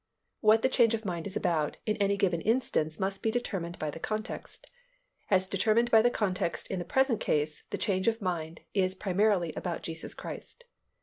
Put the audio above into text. What the change of mind is about in any given instance must be determined by the context. As determined by the context in the present case, the change of mind is primarily about Jesus Christ.